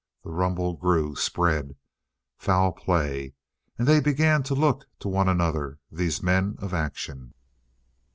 The rumble grew, spread: "Foul play." And they began to look to one another, these men of action.